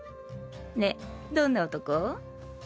ねどんな男？